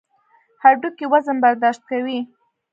هډوکي وزن برداشت کوي.